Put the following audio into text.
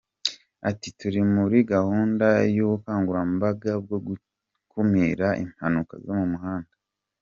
Ati “Turi muri gahunda y’ubukangurambaga bwo gukumira impanuka zo mu muhanda.